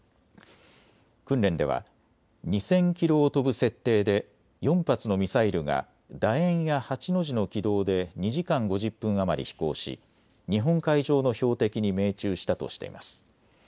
訓練では２０００キロを飛ぶ設定で４発のミサイルがだ円や８の字の軌道で２時間５０分余り飛行し日本海上の標的に命中したとしています。